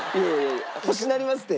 欲しなりますって。